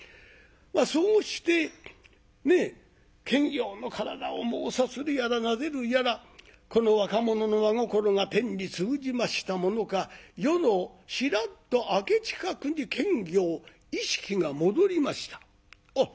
そうして検校の体をさするやらなでるやらこの若者の真心が天に通じましたものか夜のしらっと明け近くに検校意識が戻りました。